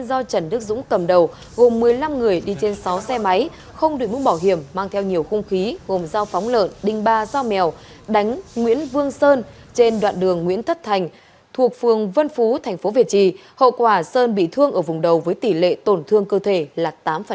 do trần đức dũng cầm đầu gồm một mươi năm người đi trên sáu xe máy không đuổi mũ bảo hiểm mang theo nhiều khung khí gồm giao phóng lợn đinh ba giao mèo đánh nguyễn vương sơn trên đoạn đường nguyễn thất thành thuộc phường vân phú tp việt trì hậu quả sơn bị thương ở vùng đầu với tỷ lệ tổn thương cơ thể là tám